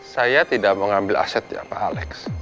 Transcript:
saya tidak mau ambil aset ya pak alex